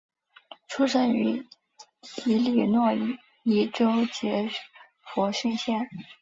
出生于伊利诺伊州杰佛逊县。